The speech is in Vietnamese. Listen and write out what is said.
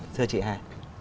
thưa chị ai